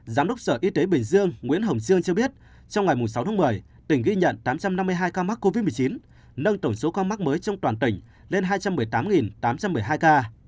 giám đốc sở y tế bình dương nguyễn hồng dương cho biết trong ngày sáu tháng một mươi tỉnh ghi nhận tám trăm năm mươi hai ca mắc covid một mươi chín nâng tổng số ca mắc mới trong toàn tỉnh lên hai trăm một mươi tám tám trăm một mươi hai ca